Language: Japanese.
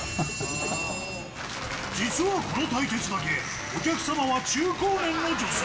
実はこの対決だけ、お客様は中高年の女性。